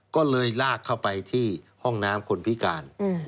ก็เลยลากเข้าไปที่ห้องน้ำคนพิการ